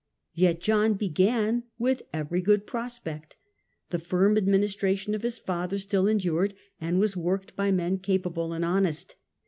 Yet John began with every good prospect. The firm administration of his father still endured, and was worked The peaceful by men Capable and honcst.